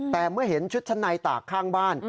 แต่เมื่อเห็นชุดชั้นในตากข้างบ้าน